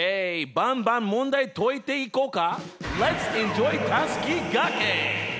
ばんばん問題解いていこうか。